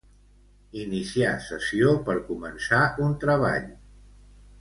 Iniciar sessió, per començar un treball.